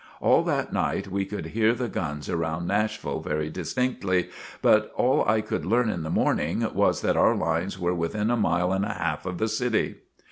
All that night we could hear the guns around Nashville very distinctly, but all I could learn in the morning was that our lines were within a mile and a half of the city.